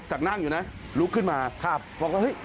จากนั่งอยู่นะลุกขึ้นมาบอกว่าเฮ้ย